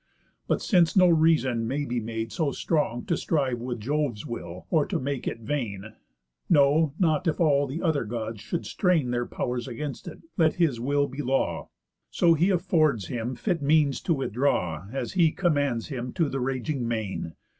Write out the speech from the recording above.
But since no reason may be made so strong To strive with Jove's will, or to make it vain, No not if all the other Gods should strain Their pow'rs against it, let his will be law, So he afford him fit means to withdraw, As he commands him, to the raging main.